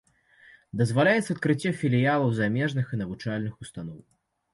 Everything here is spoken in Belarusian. Дазваляецца адкрыццё філіялаў замежных навучальных устаноў.